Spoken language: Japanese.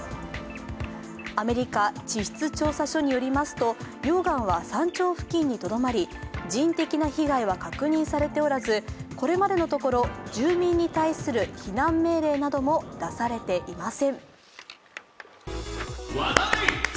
アメリカ地質調査所によりますと、溶岩は山頂付近にとどまり、人的な被害は確認されておらずこれまでのところ、住民に対する避難命令なども出されていません。